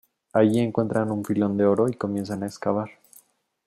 Allí encuentran un filón de oro y comienzan a excavar.